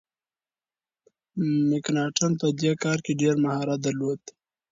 مکناټن په دې کار کي ډیر مهارت درلود.